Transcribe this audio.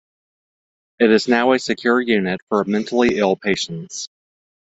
It is now a secure unit for mentally ill patients.